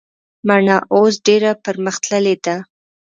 مڼه اوس ډیره پرمختللي ده